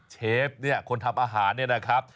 เชฟคนทำอาหาร